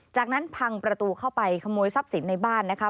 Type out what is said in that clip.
จากนั้นพังประตูเข้าไปขโมยทรัพย์สินในบ้านนะคะ